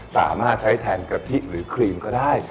สามารถใช้แทนกะทิหรือครีมก็ได้